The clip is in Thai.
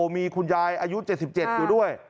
มีคุณยายอายุ๗๗อยู่ด้วย